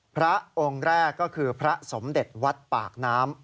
พระองค์แรกก็คือพระสมเด็จวัดปากน้ำ